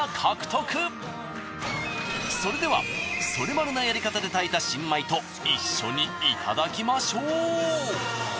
それではソレマルなやり方で炊いた新米と一緒にいただきましょう。